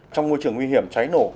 trong môi trường nguy hiểm cháy nổ